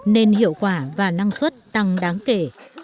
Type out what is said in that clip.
nên hiệu quả và năng suất tăng đáng kể